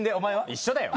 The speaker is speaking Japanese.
一緒だよ。